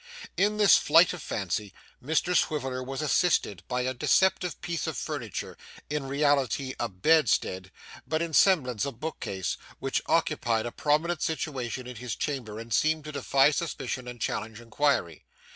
In this flight of fancy, Mr Swiveller was assisted by a deceptive piece of furniture, in reality a bedstead, but in semblance a bookcase, which occupied a prominent situation in his chamber and seemed to defy suspicion and challenge inquiry.